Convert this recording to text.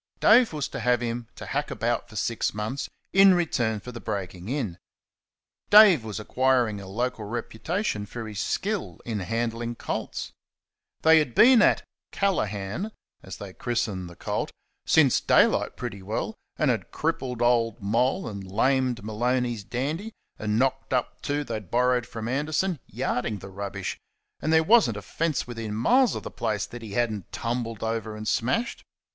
Dave was to have him to hack about for six months in return for the breaking in. Dave was acquiring a local reputation for his skill in handling colts. They had been at "Callaghan" as they christened the colt since daylight, pretty well; and had crippled old Moll and lamed Maloney's Dandy, and knocked up two they borrowed from Anderson yarding the rubbish; and there was n't a fence within miles of the place that he had n't tumbled over and smashed.